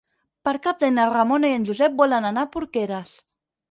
Per Cap d'Any na Ramona i en Josep volen anar a Porqueres.